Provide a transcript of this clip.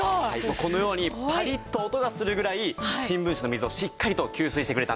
このようにパリッと音がするぐらい新聞紙の水をしっかりと吸水してくれたんですね。